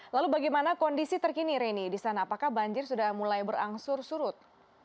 lalu bagaimana kondisi terkini reni di sana apakah banjir sudah mulai berangsur surut